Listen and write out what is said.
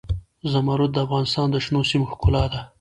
زمرد د افغانستان د شنو سیمو ښکلا ده.